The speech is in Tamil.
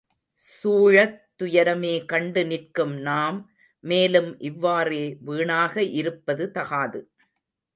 சூழத் துயரமே கண்டு நிற்கும் நாம், மேலும் இவ்வாறே வீணாக இருப்பது தகாது.